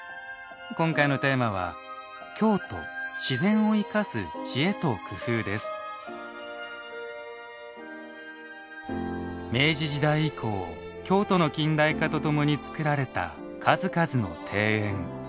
今回のテーマは明治時代以降京都の近代化とともにつくられた数々の庭園。